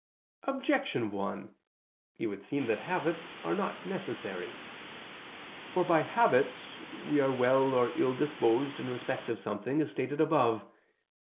Objection 1: It would seem that habits are not necessary. For by habits we are well or ill disposed in respect of something, as stated above.